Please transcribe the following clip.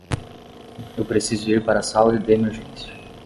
Eu preciso ir para a sala de emergência.